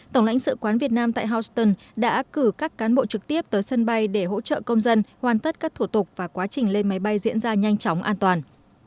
tổng lãnh sự quán việt nam tại houston đã cử các cán bộ trực tiếp tới sân bay để hỗ trợ công dân hoàn tất các thủ tục và quá trình lên máy bay diễn ra nhanh chóng an toàn